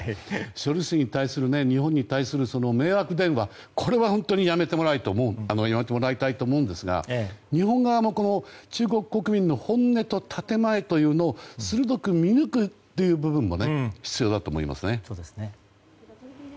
処理水に関しての日本に対する迷惑電話はこれは本当にやめてもらいたいと思うんですが日本側も中国国民の本音と建前というのを鋭く見抜く部分も必要だと思いますね。